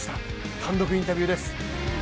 単独インタビューです。